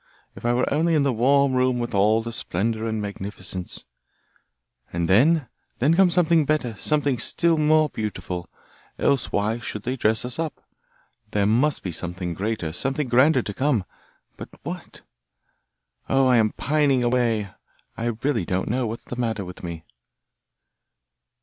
If I were only in the warm room with all the splendour and magnificence! And then? Then comes something better, something still more beautiful, else why should they dress us up? There must be something greater, something grander to come but what? Oh! I am pining away! I really don't know what's the matter with me!